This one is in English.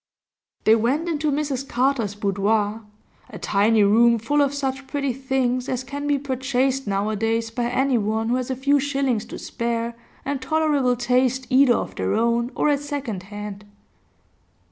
They went into Mrs Carter's boudoir, a tiny room full of such pretty things as can be purchased nowadays by anyone who has a few shillings to spare, and tolerable taste either of their own or at second hand.